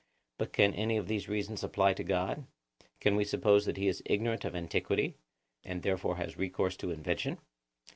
But can any of these reasons apply to God? Can we suppose that he is ignorant of antiquity, and therefore has recourse to invention?